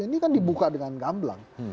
ini kan dibuka dengan gamblang